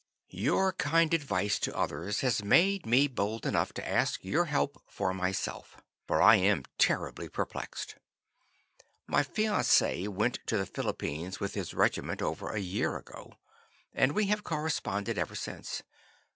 "Your kind advice to others has made me bold enough to ask your help for myself, for I am terribly perplexed. My fiance went to the Philippines with his regiment over a year ago, and we have corresponded ever since.